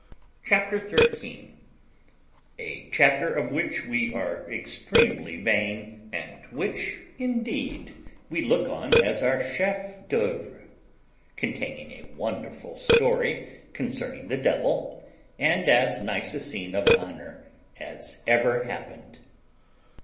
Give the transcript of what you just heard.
CHAPTER THIRTEEN A CHAPTER OF WHICH WE ARE EXTREMELY VAIN, AND WHICH INDEED WE LOOK ON AS OUR CHEF D'OEUVRE; CONTAINING A WONDERFUL STORY CONCERNING THE DEVIL, AND AS NICE A SCENE OF HONOUR AS EVER HAPPENED.